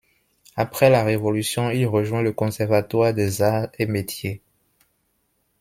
Après la Révolution il rejoint le Conservatoire des arts et métiers.